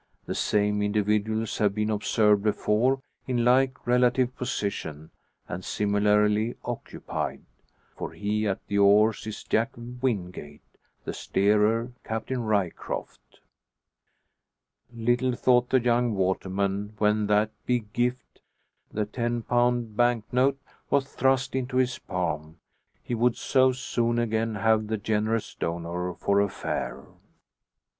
The same individuals have been observed before in like relative position and similarly occupied. For he at the oars is Jack Wingate, the steerer Captain Ryecroft. Little thought the young waterman, when that "big gift" the ten pound bank note was thrust into his palm, he would so soon again have the generous donor for a fare.